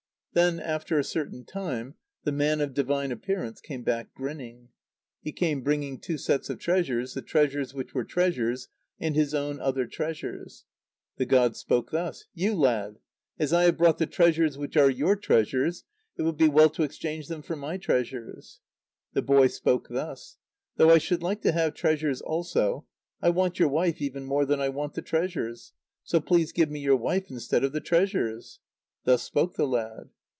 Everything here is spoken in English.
Then, after a certain time, the man of divine appearance came back grinning. He came bringing two sets of treasures, the treasures which were treasures and his own other treasures. The god spoke thus: "You, lad! As I have brought the treasures which are your treasures, it will be well to exchange them for my treasures." The boy spoke thus: "Though I should like to have treasures also, I want your wife even more than I want the treasures; so please give me your wife instead of the treasures." Thus spoke the lad.